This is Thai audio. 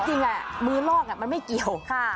จริงมือลอกมันไม่เกี่ยว